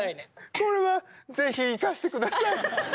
これはぜひ生かしてください。